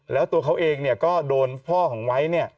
แล้วตัวเขาเองก็โดนพ่อของไวท์เนี่ย